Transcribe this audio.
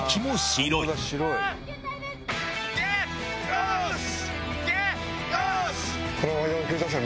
・よし！